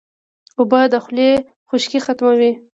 اوبه د خولې خشکي ختموي